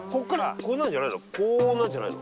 こうなるんじゃないの？